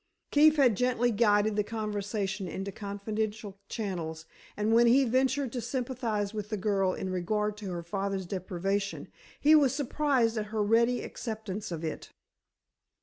Keefe had gently guided the conversation into confidential channels, and when he ventured to sympathize with the girl in regard to her father's deprivation he was surprised at her ready acceptance of it.